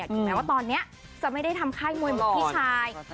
ถึงแม้ว่าตอนนี้จะไม่ได้ทำค่ายมวยเหมือนพี่ชาย